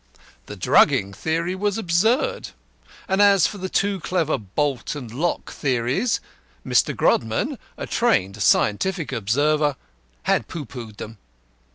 The drugging theory was absurd, and as for the too clever bolt and lock theories, Mr. Grodman, a trained scientific observer, had pooh poohed them.